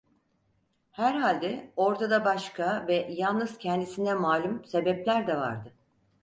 Herhalde ortada başka ve yalnız kendisine malum sebepler de vardı.